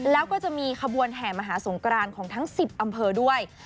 แล้วก็จะมีขบวนแห่มหาสงกรานของทั้ง๑๐อำเภอด้วย